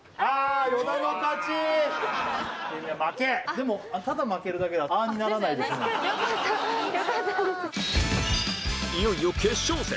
でもいよいよ決勝戦